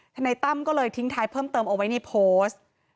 นายตั้มก็เลยทิ้งท้ายเพิ่มเติมเอาไว้ในโพสต์